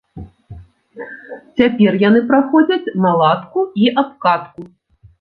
Цяпер яны праходзяць наладку і абкатку.